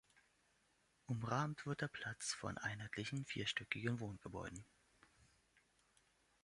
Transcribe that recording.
Umrahmt wird der Platz von einheitlichen, vierstöckigen Wohngebäuden.